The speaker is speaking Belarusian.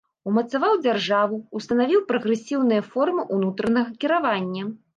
Умацаваў дзяржаву, устанавіў прагрэсіўныя формы ўнутранага кіравання.